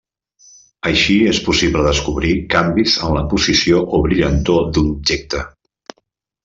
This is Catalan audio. Així és possible descobrir canvis en la posició o brillantor d'un objecte.